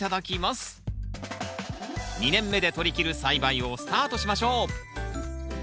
２年目でとりきる栽培をスタートしましょう！